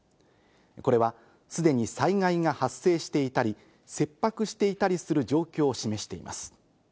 これはすでに災害が発生していたり、切迫していたりする状況を示しています。